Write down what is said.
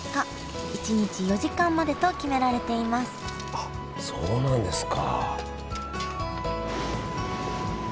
あっそうなんですか。